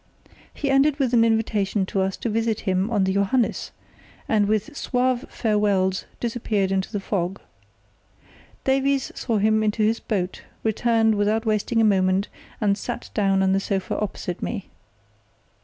He ended with an invitation to us to visit him on the Johannes, and with suave farewells disappeared into the fog. Davies saw him into his boat, returned without wasting a moment, and sat down on the sofa opposite me.